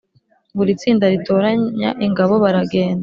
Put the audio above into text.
Buri tsinda ritoranya ingabo, baragenda.